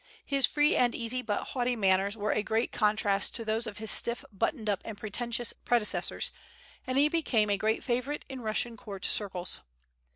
His free and easy but haughty manners were a great contrast to those of his stiff, buttoned up, and pretentious predecessors; and he became a great favorite in Russian court circles.